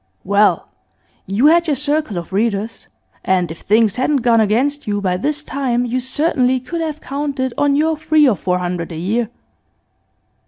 Well, you had your circle of readers, and, if things hadn't gone against you, by this time you certainly could have counted on your three or four hundred a year.